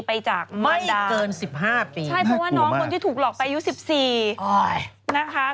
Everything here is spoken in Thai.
ไปจากมารดาไม่เกิน๑๕ปีไม่กลัวมากใช่เพราะว่าน้องคนที่ถูกหลอกไปอายุ๑๔